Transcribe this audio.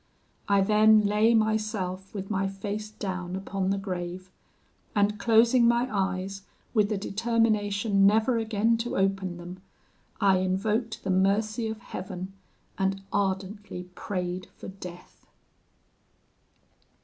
I then lay myself with my face down upon the grave, and closing my eyes with the determination never again to open them, I invoked the mercy of Heaven, and ardently prayed for death.